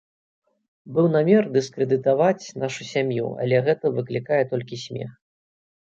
Быў намер дыскрэдытаваць нашу сям'ю, але гэта выклікае толькі смех.